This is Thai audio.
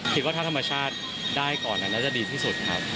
คิดว่าถ้าธรรมชาติได้ก่อนน่าจะดีที่สุดครับ